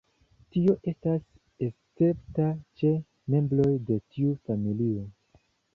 Tio estas escepta ĉe membroj de tiu familio.